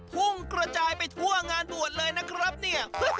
พุ่งกระจายไปทั่วงานบวชเลยนะครับเนี่ย